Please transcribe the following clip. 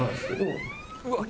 うわっ！